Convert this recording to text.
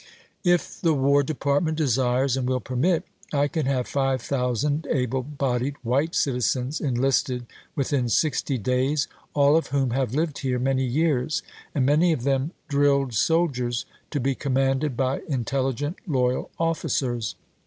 If the War Department desires, and will permit, I can have five thousand able bodied white citizens enlisted within sixty days, all of whom have lived here many years, and many of them drilled soldiers, to be commanded by intelligent loyal officers.